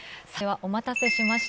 お待たせしました。